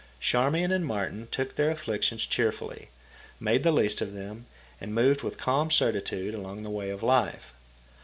Charmian and Martin took their afflictions cheerfully, made the least of them, and moved with calm certitude along the way of life.